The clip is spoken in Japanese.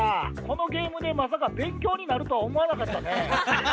このゲームでまさか勉強になるとは思わなかったねぇ。